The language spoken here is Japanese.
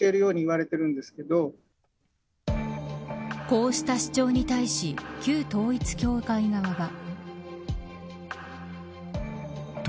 こうした主張に対し旧統一教会側は。